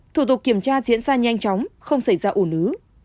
thủ tục kiểm tra diễn ra nhanh chóng không xảy ra ổn ứ